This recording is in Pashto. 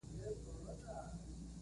اساسي ستونزه په همدې محور پورې تړلې.